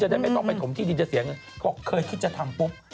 ได้ไม่ต้องไปถมที่ดินจะเสียเงินบอกเคยคิดจะทำปุ๊บ